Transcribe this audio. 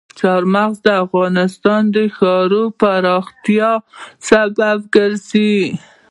چار مغز د افغانستان د ښاري پراختیا سبب کېږي.